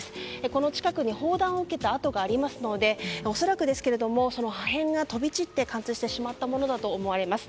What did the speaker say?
この近くに砲弾を受けた跡がありますので恐らく、その破片が飛び散って貫通してしまったものだと思われます。